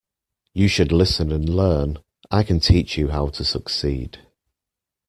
You should listen and learn; I can teach you how to succeed